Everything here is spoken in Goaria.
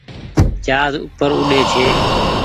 جهآز اوپر اوڏي ڇي۔